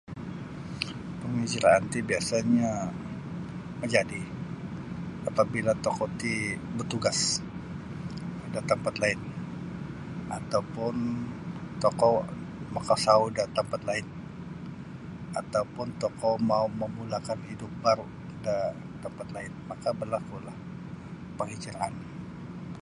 Penghijrahan ti biasanyo majadi apabila tokou ti batugas da tampat lain atau pun tokou makasawu da tampat lain atau pun tokou mau mamulakan hidup baru da tampat lain maka berlakulah penghijrahan